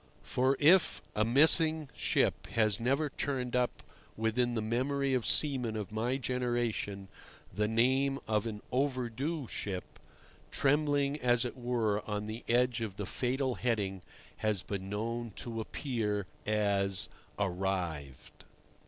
For if a "missing" ship has never turned up within the memory of seamen of my generation, the name of an "overdue" ship, trembling as it were on the edge of the fatal heading, has been known to appear as "arrived."